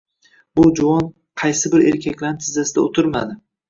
«Bu juvon qaysi bir erkaklarni tizzasida o‘tir-madi